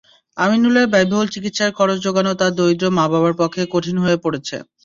আমিনুলের ব্যয়বহুল চিকিৎসার খরচ জোগানো তাঁর দরিদ্র মা-বাবার পক্ষে কঠিন হয়ে পড়েছে।